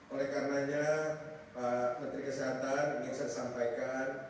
oleh karenanya pak menteri kesehatan ingin saya sampaikan